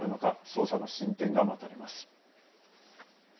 捜査の進展が待たれます。